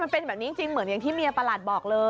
เป็นแบบนี้จริงเหมือนที่เมียประหลาดบอกเลย